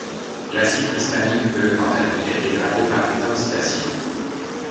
L'acide pristanique peut quant à lui être dégradé par β-oxydation.